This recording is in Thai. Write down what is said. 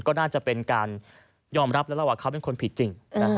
ก็น่าจะเป็นการยอมรับแล้วล่ะว่าเขาเป็นคนผิดจริง